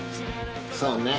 そうね。